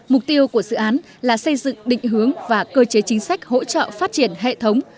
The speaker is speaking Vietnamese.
mục tiêu của dự án là xây dựng định hướng và cơ chế chính sách hỗ trợ phát triển hệ thống